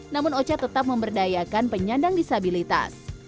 namun o c a tetap memberdayakan penyandang disabilitas